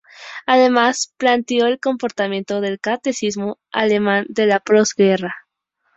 Además, planteó el comportamiento del catolicismo alemán de la posguerra.